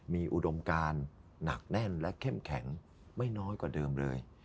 มีอุดมการหนักแน่นและเข้มแข็งไม่น้อยกว่าเดิมเลย